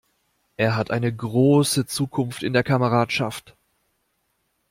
Er hat eine große Zukunft in der Kameradschaft!